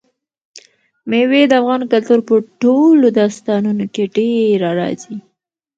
مېوې د افغان کلتور په ټولو داستانونو کې ډېره راځي.